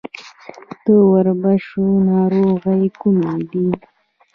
د وربشو ناروغۍ کومې دي؟